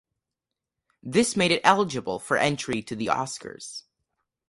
This made it eligible for entry to the Oscars.